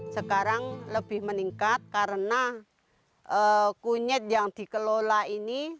sekarang lebih meningkat karena kunyit yang dikelola ini